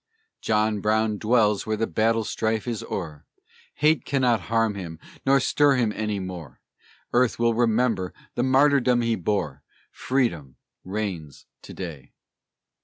John Brown dwells where the battle's strife is o'er; Hate cannot harm him, nor sorrow stir him more; Earth will remember the martyrdom he bore, Freedom reigns to day!